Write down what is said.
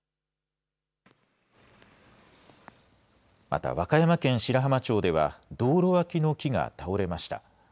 また和歌山県白浜町では道路脇の木が倒れました。